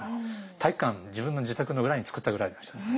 体育館自分の自宅の裏につくったぐらいの人です。